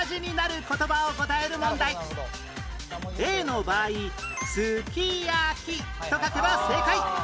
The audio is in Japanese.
Ａ の場合「すきやき」と書けば正解